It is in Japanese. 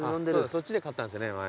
そっちで買ったんすね前。